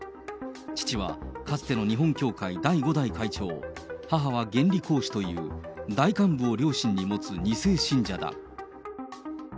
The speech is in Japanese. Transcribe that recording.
父はかつての日本教会第５代会長、母は原理講師という、大幹部を両親に持つ２世信者だ。